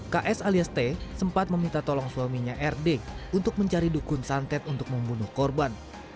ks alias t sempat meminta tolong suaminya rd untuk mencari dukun santet untuk membunuh korban